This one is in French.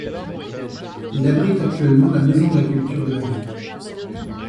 Il abrite actuellement la maison de la culture de la ville.